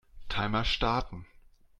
Timer starten.